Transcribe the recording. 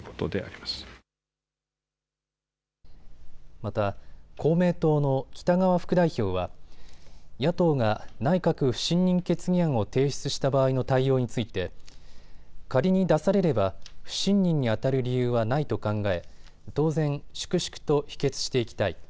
また公明党の北側副代表は野党が内閣不信任決議案を提出した場合の対応について仮に出されれば不信任にあたる理由はないと考え、当然、粛々と否決していきたい。